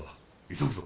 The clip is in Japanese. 急ぐぞ。